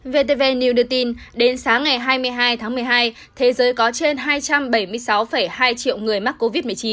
vtv new đưa tin đến sáng ngày hai mươi hai tháng một mươi hai thế giới có trên hai trăm bảy mươi sáu hai triệu người mắc covid một mươi chín